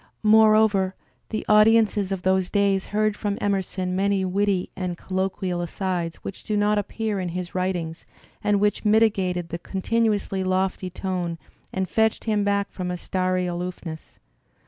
More over, the audiences of those days heard from Emerson many witty and colloquial asides which do not appear in his writ ings and which mitigated tlie continuously lofty tone and fetched him back from a starry aloofness.